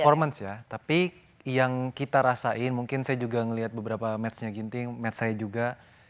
performance ya tapi yang kita rasain mungkin saya juga melihat beberapa matchnya ginting match saya juga